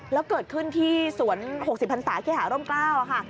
แล้วเกิดขึ้นที่สวน๖๐พันศาสตร์เขหาร่มกล้าวค่ะ